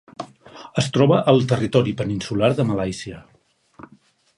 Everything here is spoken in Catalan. Es troba al territori peninsular de Malàisia.